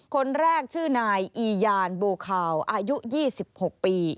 คนแรกชื่อนายอียานโบคาวอายุ๒๖ปี